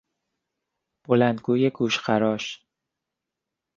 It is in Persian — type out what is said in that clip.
بلندگوی گوشخراش